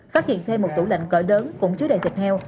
phát hiện thêm một tủ lạnh cỡ lớn cũng chứa đầy thịt heo